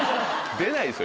出ないですよ